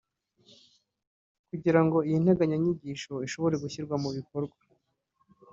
Kugira ngo iyi nteganyanyigisho ishobore gushyirwa mu bikorwa